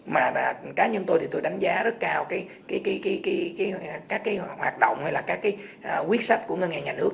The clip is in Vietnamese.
mà cá nhân tôi thì tôi đánh giá rất cao các cái hoạt động hay là các cái quyết sách của ngân hàng nhà nước